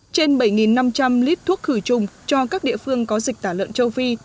trên bảy năm trăm linh lít thuốc khử trùng cho các địa phương có dịch tả lợn châu phi